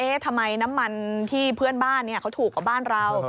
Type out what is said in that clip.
ทำไมน้ำมันที่เพื่อนบ้านเขาถูกกว่าบ้านเรา